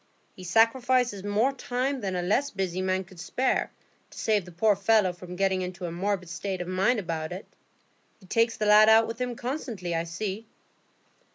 He sacrifices more time than a less busy man could spare, to save the poor fellow from getting into a morbid state of mind about it. He takes the lad out with him constantly, I see."